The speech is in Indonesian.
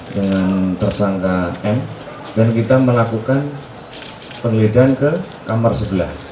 dengan tersangka m dan kita melakukan penggeledahan ke kamar sebelah